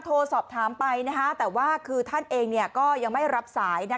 โทรสอบถามไปนะคะแต่ว่าคือท่านเองเนี่ยก็ยังไม่รับสายนะ